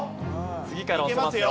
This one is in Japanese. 次から押せますよ。